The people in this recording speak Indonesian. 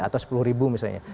atau sepuluh ribu misalnya